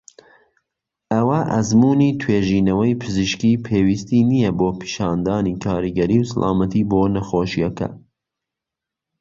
ئەوە ئەزموونی توێژینەوەی پزیشکی پێویستی نیە بۆ پیشاندانی کاریگەری و سەلامەتی بۆ نەخۆشیەکە.